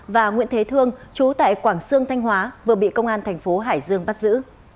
và nguyễn thế thương chú tại quảng sương thanh hóa vừa bị công an thành phố hải dương bắt giữ